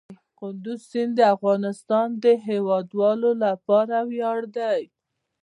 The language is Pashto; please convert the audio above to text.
کندز سیند د افغانستان د هیوادوالو لپاره ویاړ دی.